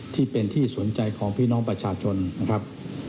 ที่เป็นที่สนใจของพี่น้องประชาชนนะครับ